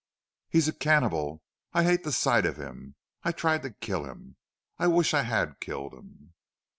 "He's a cannibal. I hate the sight of him. I tried to kill him. I wish I had killed him."